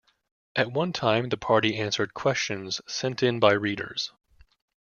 At one time, the party answered questions sent in by readers.